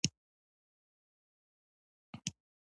چا به ورپورې خندل چا به ورپورې ټوکې کولې.